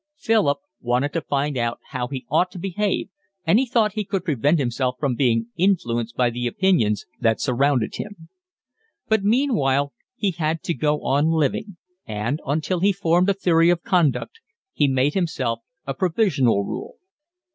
Philip wanted to find out how he ought to behave, and he thought he could prevent himself from being influenced by the opinions that surrounded him. But meanwhile he had to go on living, and, until he formed a theory of conduct, he made himself a provisional rule.